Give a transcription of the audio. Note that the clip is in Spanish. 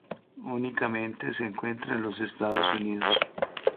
Únicamente se encuentra en los Estados Unidos.